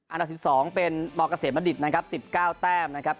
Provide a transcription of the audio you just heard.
อันดับสิบสองเป็นมเกษตรมดิตนะครับสิบเก้าแต้มนะครับ